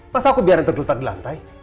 masa aku biarin tergeletak di lantai